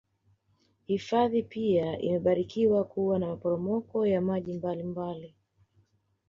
Hifadhi pia imebarikiwa kuwa na maporopoko ya maji mbali mbali